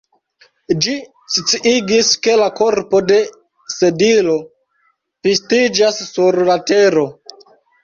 Ĝi sciigis, ke la korpo de Sedilo pistiĝas sur la tero.